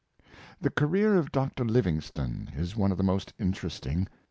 The career of Dr. Livingstone is one of the most in teresting.